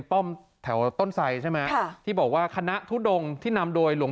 ป้อมแถวต้นไสใช่ไหมค่ะที่บอกว่าคณะทุดงที่นำโดยหลวง